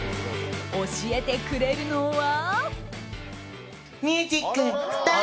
教えてくれるのは。